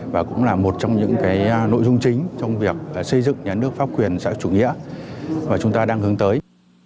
và cũng là một trong những nội dung chính trong việc xây dựng nhà nước pháp quyền sau chủ nghĩa mà chúng ta đang hướng tới